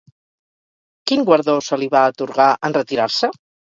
Quin guardó se li va atorgar, en retirar-se?